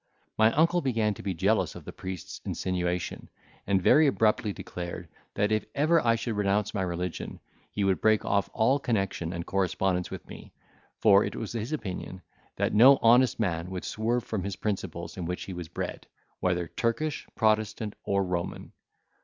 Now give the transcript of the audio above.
My uncle began to be jealous of the Priest's insinuation, and very abruptly declared, that if ever I should renounce my religion, he would break off all connection and correspondence with me; for it was his opinion, that no honest man would swerve from his principles in which he was bred, whether Turkish, Protestant, or Roman.